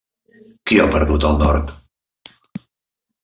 Qui ha perdut el nord?